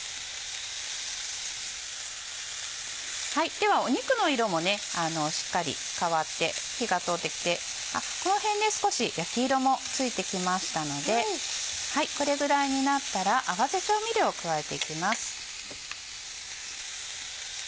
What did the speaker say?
では肉の色もしっかり変わって火が通ってきてこの辺少し焼き色もついてきましたのでこれぐらいになったら合わせ調味料を加えていきます。